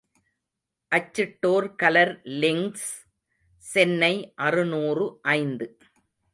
அச்சிட்டோர் colour links, Chennai அறுநூறு ஐந்து.